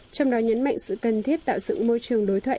trong đó nhấn mạnh sự cần thiết tạo dựng môi trường đối thoại